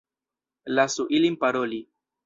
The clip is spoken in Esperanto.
Lasu ilin paroli.